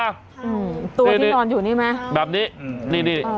ตัวที่นอนอยู่นี่ไหมแบบนี้นี่